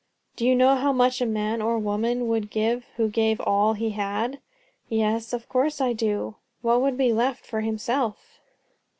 "Do you know how much a man or a woman would give who gave all he had?" "Yes, of course I do." "What would be left for himself?"